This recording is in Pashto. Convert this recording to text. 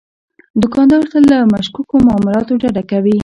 دوکاندار تل له مشکوکو معاملاتو ډډه کوي.